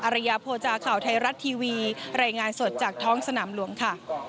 ริยาโภจาข่าวไทยรัฐทีวีรายงานสดจากท้องสนามหลวงค่ะ